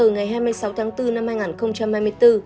ngày hai mươi sáu tháng bốn năm hai nghìn hai mươi bốn